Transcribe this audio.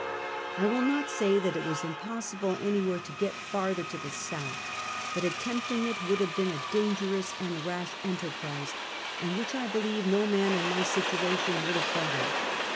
1 will not say that it w^as impossible anywhere to get farther to the south ; but attempting it would have been a dangerous and rash enterprise, and which, I believe, no man in my situation would have thought of.